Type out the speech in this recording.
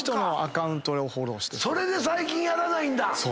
それで最近やらないんだ。